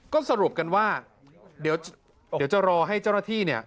ก็สรุปกันว่าเดี๋ยวจะรอให้เจ้าหน้าที่เนี่ย